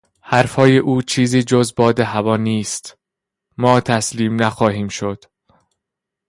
حرفهای او چیزی جز باد هوا نیست; ما تسلیم نخواهیم شد.